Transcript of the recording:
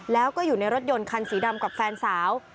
แล้วก็อยู่ในรถยนต์คันสีดำกับแฟนสาว